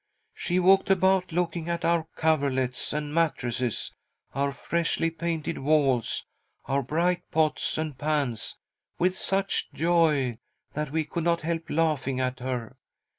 She walked about, looking at our coverlets and mattresses, our freshly painted walls, our bright pots and pans, with such joy that we could not help laughing at her.